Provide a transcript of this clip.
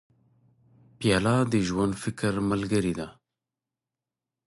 پیاله د ژور فکر ملګرې ده.